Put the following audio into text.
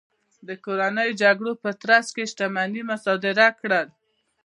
د کورنیو جګړو په ترڅ کې شتمنۍ مصادره کړل.